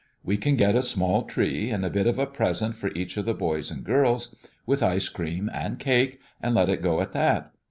We can get a small tree, and a bit of a present for each of the boys and girls, with ice cream and cake, and let it go at that.